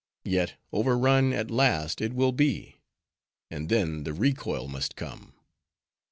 Yet overrun at last it will be; and then, the recoil must come.